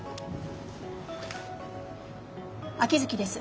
秋月です。